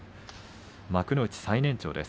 幕内最年長です。